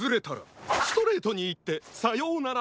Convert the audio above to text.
ストレートにいってさようなら